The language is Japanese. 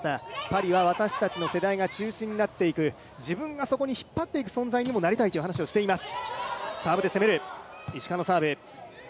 パリは私たちの世代が中心になっていく、自分が引っ張っていく存在にもなりたいと話しています。